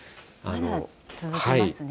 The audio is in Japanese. まだ続きますね。